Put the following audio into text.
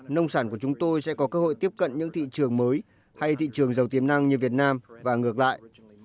nông sản của chúng tôi sẽ có cơ hội tiếp cận những thị trường mới hay thị trường giàu tiềm năng như việt nam và ngược lại